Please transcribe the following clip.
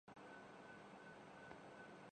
اللہ ہی واپسی کا دروازہ رکھے